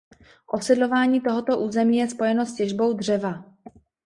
Osidlování tohoto území je spojeno s těžbou dřeva.